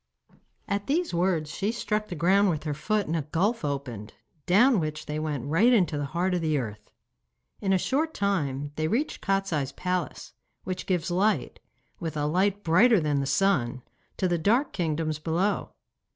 At these words she struck the ground with her foot and a gulf opened, down which they went right into the heart of the earth. In a short time they reached Kostiei's palace, which gives light, with a light brighter than the sun, to the dark kingdoms below.